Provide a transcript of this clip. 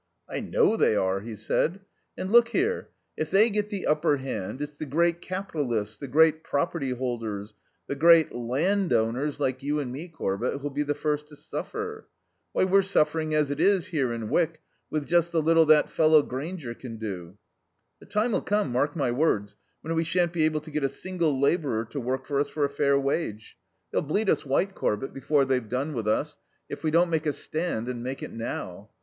"I know they are," he said. "And look here if they get the upper hand, it's the great capitalists, the great property holders, the great _land_owners like you and me, Corbett, who'll be the first to suffer.... Why, we're suffering as it is, here in Wyck, with just the little that fellow Grainger can do. The time'll come, mark my words, when we shan't be able to get a single labourer to work for us for a fair wage. They'll bleed us white, Corbett, before they've done with us, if we don't make a stand, and make it now.